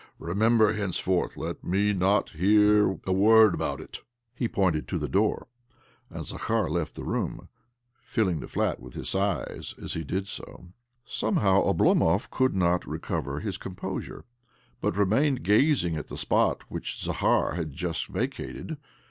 ' Remem ber — henceforth let me hear not a woi^d abo^t it 1 " He pointed to the door, and Zakhar left the room — filling the flat with his sighs as he did so. Somehow Oblomov could not recover his composure, but remained gazing at the spot which Zakhar had just vacated.